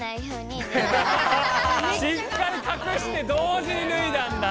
しっかりかくして同時にぬいだんだ。